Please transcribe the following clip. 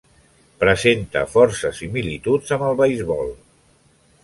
Presenta força similituds amb el beisbol.